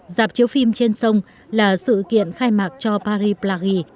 dạp chiếu phim trên sông là sự kiện khai mạc cho paris plagi